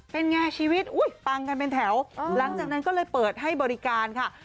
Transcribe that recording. เป็นไงชีวิตอุ้ยปังกันเป็นแถวหลังจากนั้นก็เลยเปิดให้บริการค่ะ